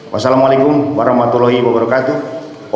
wassalamualaikum warahmatullahi wabarakatuh